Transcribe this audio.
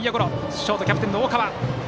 ショート、キャプテンの大川！